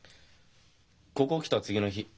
ここ来た次の日。